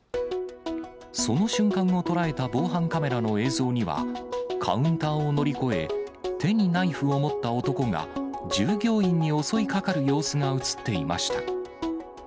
その瞬間を捉えた防犯カメラの映像には、カウンターを乗り越え、手にナイフを持った男が、従業員に襲いかかる様子が写っていました。